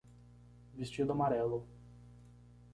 Vestido amarelo.